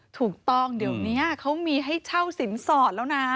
ถูกต้องเดี๋ยวนี้เขามีให้เช่าสินสอดแล้วนะ